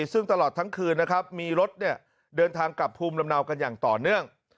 ซึ่งตลอดทั้งคืนนะครับมีรถเดินทางกลับภูมิลำเนากันอย่างต่อเนื่อง